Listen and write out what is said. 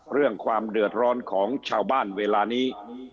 เรื่องความเดือดร้อนของชาวบ้านเวลานี้